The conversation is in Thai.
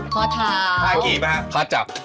ข้ากี่ไหมฮะข้าจักร